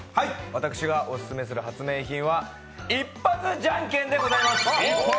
私がオススメする発明品は一発ジャンケンでございます。